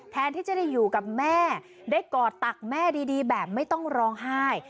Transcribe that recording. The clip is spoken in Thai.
แทนที่จะได้อยู่กับแม่ได้กอดตักแม่ดีแบบไม่ต้องร้องไห้